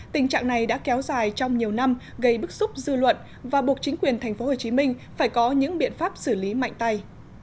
tình trạng này đã kéo dài trong nhiều năm gây bức xúc dư luận và buộc chính quyền tp hcm phải có những biện pháp xử lý mạnh tay